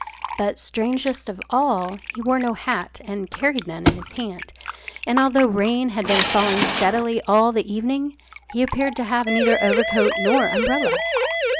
But, strangest of all, he wore no hat, and carried none in his hand; and although rain had been falling steadily all the evening, he appeared to have neither overcoat nor umbrella.